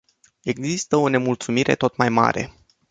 Există o nemulțumire tot mai mare.